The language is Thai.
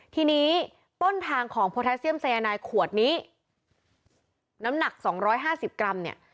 ที่นี้ต้นทางของโพรแทสเซียมไซยานายขวดนี้น้ำหนักสองร้อยห้าสิบกรัมเนี่ย